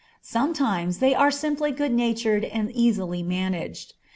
Sometimes they are simply good natured and easily managed.